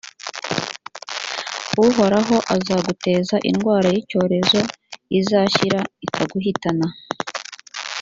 uhoraho azaguteza indwara y’icyorezo izashyira ikaguhitana,